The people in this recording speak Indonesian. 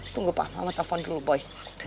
tunggu pak sama telepon dulu boy